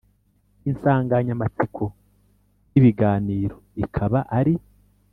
Insanganyamatsiko y’ibi biganiro ikaba ari